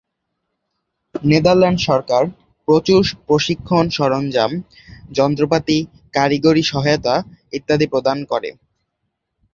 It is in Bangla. নেদারল্যান্ড সরকার প্রচুর প্রশিক্ষণ সরঞ্জাম, যন্ত্রপাতি, কারিগরি সহায়তা ইত্যাদি প্রদান করে।